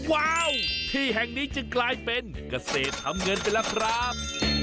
ว้าวที่แห่งนี้จะกลายเป็นกษีทำเงินเป็นลักษณ์ครับ